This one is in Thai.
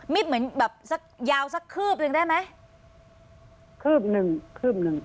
เหมือนแบบสักยาวสักคืบหนึ่งได้ไหมคืบหนึ่งคืบหนึ่ง